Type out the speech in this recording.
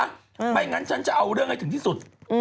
ไม่งั้นฉันจะเอาเรื่องให้ถึงที่สุด